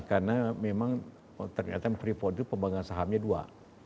karena memang ternyata freeport itu pembangunan sahamnya dua